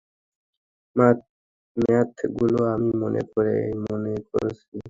ম্যাথগুলো আমি মনে মনে করেছি।